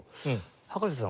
葉加瀬さん